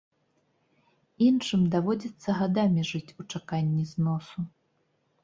Іншым даводзіцца гадамі жыць у чаканні зносу.